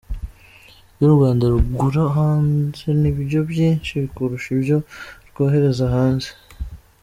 Ibyo u Rwanda rugura hanze nibyo byinshi kurusha ibyo rwohereza hanze.